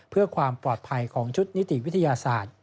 เพื่อความปลอดภัยของชุดนิติวิทยาศาสตร์